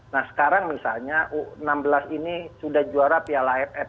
nah sekarang misalnya u enam belas ini sudah juara piala aff